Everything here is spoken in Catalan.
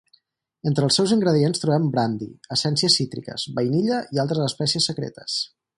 Entre els seus ingredients trobem brandi, essències cítriques, vainilla i altres espècies secretes.